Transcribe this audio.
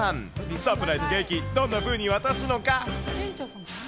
サプライズケーキ、どんなふうに渡すのか。